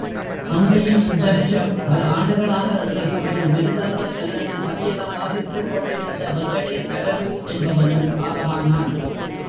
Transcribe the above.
அன்றியும் இவ்வருஷம், பல ஆண்டுகளாக எங்கள் சபையில் மிருதங்கம் அல்லது தபேலா வாசித்துக் கொண்டிருந்த வெங்கடேஸ்வரலு என்பவனும் காலமானான்.